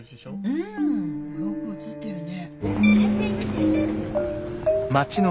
うんよく写ってるね。